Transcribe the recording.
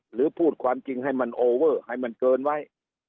หรือพูดความจริงให้มันโอเวอร์ให้มันเกินไว้